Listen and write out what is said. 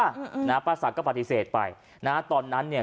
อืมอื่นอ่าป้าศักดิ์ก็ปฏิเสธไปน่าตอนนั้นเนี่ย